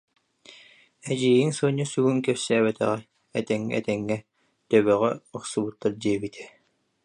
Эдьиийиҥ Суонньа сүгүн кэпсээбэтэҕэ, этэҥҥэ-этэҥҥэ, төбөҕі охсубуттар диэбитэ